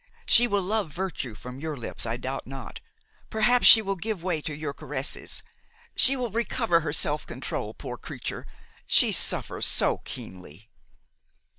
She will love virtue from your lips, I doubt not; perhaps she will give way to your caresses; she will recover her self control, poor creature! she suffers so keenly!"